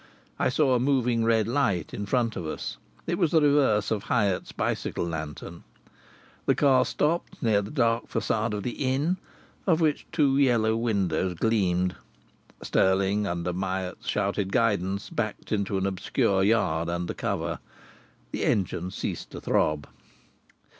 I saw a moving red light in front of us. It was the reverse of Hyatt's bicycle lantern. The car stopped near the dark façade of the inn, of which two yellow windows gleamed. Stirling, under Myatt's shouted guidance, backed into an obscure yard under cover. The engine ceased to throb.